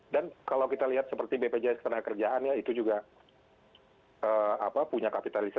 dan kalau kita lihat seperti bpjs ketanaya kerjaan ya itu juga punya kapitalisasi